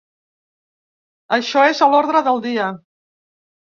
Això és a l’ordre del dia.